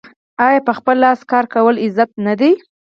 آیا په خپل لاس کار کول عزت نه دی؟